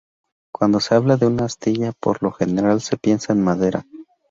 Cuando se habla de una astilla, por lo general se piensa en madera.